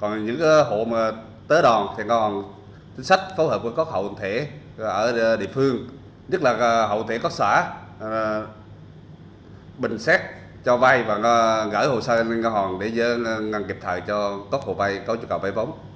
ở địa phương nhất là hậu thể các xã bình xét cho vay và gửi hồ sơ lên ngã hòn để ngăn kịp thời cho các hồ vay có nhu cầu vay vóng